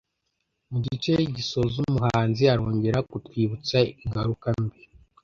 Mu gice gisoza umuhanzi arongera kutwibutsa ingaruka mbi